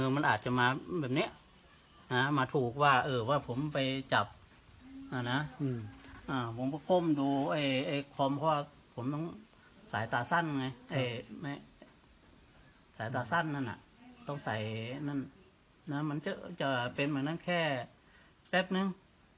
มันจะเป็นแค่แป๊บนึง